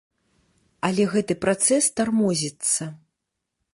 Але гэты працэс тармозіцца.